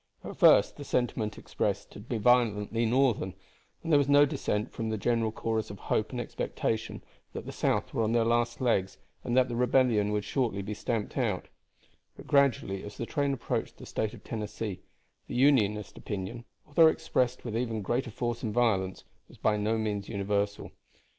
At first the sentiment expressed had been violently Northern, and there was no dissent from the general chorus of hope and expectation that the South were on their last legs and that the rebellion would shortly be stamped out; but gradually, as the train approached the State of Tennessee, the Unionist opinion, although expressed with even greater force and violence, was by no means universal.